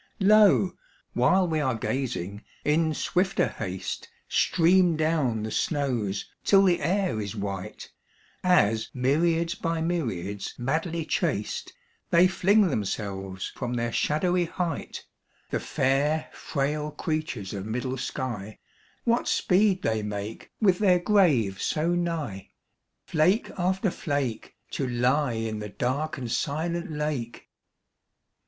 Lo ! while we are gazing, in swiften* haste Stream down the snows, till tlu^ air is white. As, myriads by myriads madl}' chased, They fling themselves from WuAv shadowy iKMirht 28 THE SN"OW SHOWER. The fair, frail creatures of middle sky. What speed they make, with their grave so nigh ; Flake after flake, To lie in the dark and silent lake